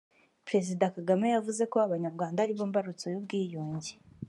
Perezida Kagame yavuze ko Abanyarwanda aribo mbarutso y’ubwiyunge